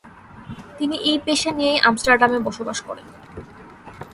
তিনি এই পেশা নিয়েই আমস্টারডামে বসবাস করেন।